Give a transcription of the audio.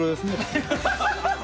ハハハハ！